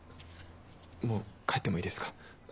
もう帰ってもいいですか？